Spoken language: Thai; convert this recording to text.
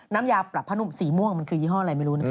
น้ำยาปรับผ้านุ่มสีม่วงมันคือยี่ห้ออะไรไม่รู้นะ